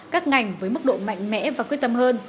các ngành với mức độ mạnh mẽ và quyết tâm hơn